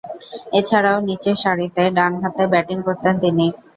এছাড়াও নিচের সারিতে ডানহাতে ব্যাটিং করতেন তিনি।